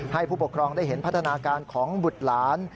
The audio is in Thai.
ผู้ปกครองได้เห็นพัฒนาการของบุตรหลาน